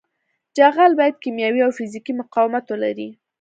جغل باید کیمیاوي او فزیکي مقاومت ولري